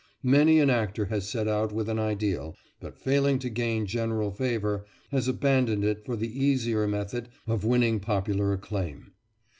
Many an actor has set out with an ideal, but, failing to gain general favour, has abandoned it for the easier method of winning popular acclaim.